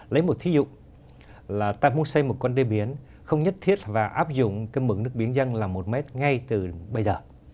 lấy một thí dụ là ta muốn xây một con đê biển không nhất thiết và áp dụng mực nước biển dân là một mét ngay từ bây giờ